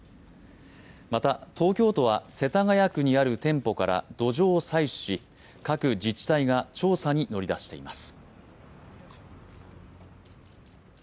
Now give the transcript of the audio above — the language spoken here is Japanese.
また東京都は世田谷区にある店舗から土壌を採取し各自治体が調査に乗り出しています。